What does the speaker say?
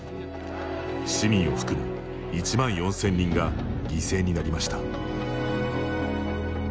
市民を含む１万４０００人が犠牲になりました。